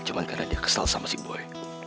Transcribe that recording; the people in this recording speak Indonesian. cuma karena dia kesal sama si buaya